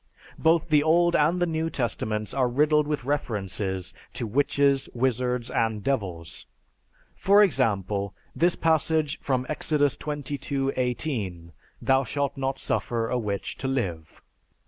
Both the Old and the New Testaments are riddled with references to witches, wizards, and devils. For example, this passage from Exodus XXII 18, "Thou shalt not suffer a witch to live."